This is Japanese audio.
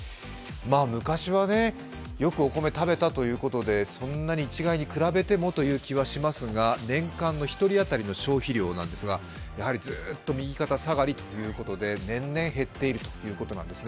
昔はよくお米食べたということでそんなに一概に比べてもという気はしますが、年間の１人当たりの消費量なんですがずっと右肩下がりということで年々減っているということです。